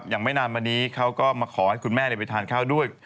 ไม่นานมานี้เขาก็มาขอให้คุณแม่ไปทานข้าวด้วย